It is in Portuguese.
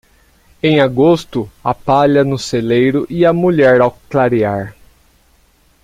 Em agosto, a palha no celeiro e a mulher ao clarear.